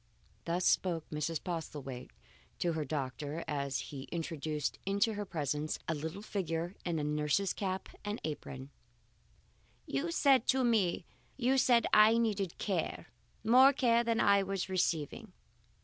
Thus spoke Mrs. Postlethwaite to her doctor, as he introduced into her presence a little figure in nurse's cap and apron. "You said I needed care, more care than I was receiving.